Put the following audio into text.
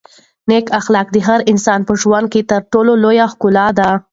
نېک اخلاق د هر انسان په ژوند کې تر ټولو لویه ښکلا ده.